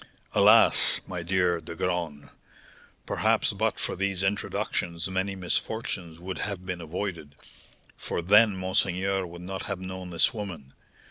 Alas! my dear De Graün, perhaps but for these introductions many misfortunes would have been avoided, for then monseigneur would not have known this woman.